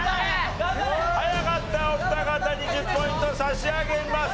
早かったお二方に１０ポイント差し上げます。